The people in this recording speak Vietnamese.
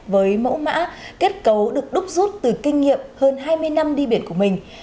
với mẫu mã kết cấu được đúc rút từ kinh nghiệm hơn hai mươi năm đi biển của mình